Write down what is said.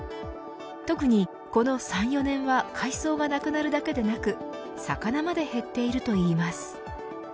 特にこの３、４年は海藻がなくなるだけでなく魚まで減っているといいます。